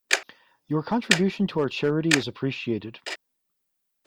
Your contribution to our charity is appreciated.